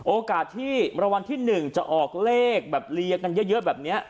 โอกาสที่รางวัลที่๑จะออกเลขแบบเรียกันเยอะแบบนี้